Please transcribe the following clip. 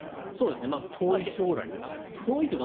遠い将来ではないという。